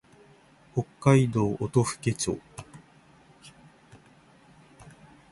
北海道音更町